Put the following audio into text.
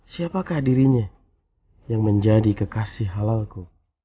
siapakah dirinya yang menjadi kekasih halalku